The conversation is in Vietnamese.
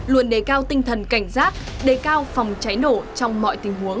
luôn đề cao tinh thần cảnh giác đề cao phòng cháy nổ trong mọi tình huống